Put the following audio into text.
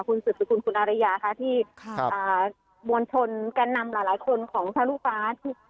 คุณสุศุคุณคุณอารยาที่บวนชนแก้นนำหลายคนของชาลูกฟ้า